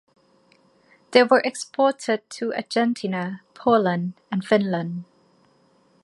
They were exported to Argentina, Poland and Finland.